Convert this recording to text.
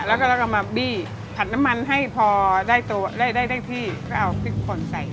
แล้วก็มาบี้ผัดน้ำมันให้พอได้ตัวได้ได้ที่ก็เอาพริกผ่อนใส่